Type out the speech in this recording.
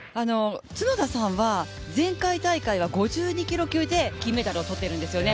角田さんは前回大会は５２キロ級で金メダルを取っているんですよね。